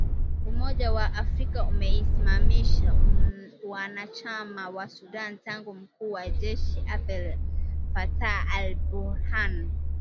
Umoja wa Afrika umeisimamisha uanachama wa Sudan tangu mkuu wa jeshi Abdel Fattah al-Burhan